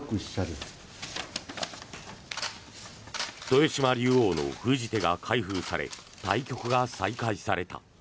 豊島竜王の封じ手が開封され対局が再開された。